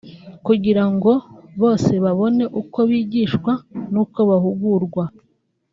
kugira ngo bose babone uko bigishwa n’uko bahugurwa